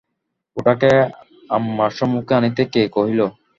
ওটাকে আমার সম্মুখে আনিতে কে কহিল?